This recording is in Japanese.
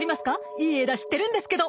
いい枝知ってるんですけど。